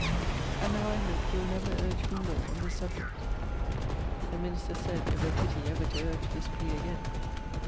And now I hope you will never urge me more on this subject? The minister said, it were pity ever to urge this plea again.